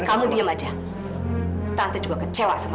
kamu juga kecewa